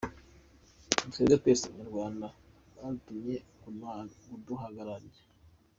Ni twebwe, twese Abanyarwanda tubatumye kuduhagararira’.